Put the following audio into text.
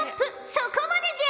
そこまでじゃ！